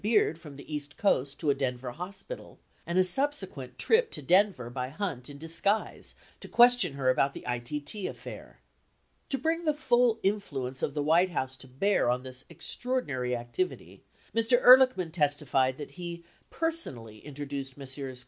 1202 spanned a broad range, such as spiriting Dita Beard from the East Coast to a Denver hospital, and a subsequent trip to Denver by Hunt in disguise to question her about the ITT affair. 34 To bring the full influence of the White House to bear on this extraordinary activity, Mr. Elirlichman testified that he personally introduced Messrs.